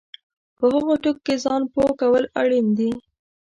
په هغو ټکو ځان پوه کول اړین دي